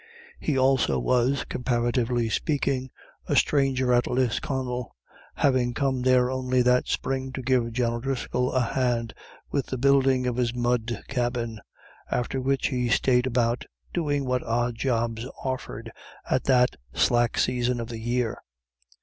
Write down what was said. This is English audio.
He also was, comparatively speaking, a stranger at Lisconnel, having come there only that spring to give John O'Driscoll a hand with the building of his mud cabin, after which he stayed about doing what odd jobs offered at that slack season of the year.